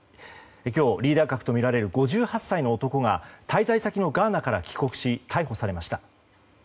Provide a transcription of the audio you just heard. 今日、リーダー格とみられる５８歳の男が滞在先のガーナから帰国し逮捕されました。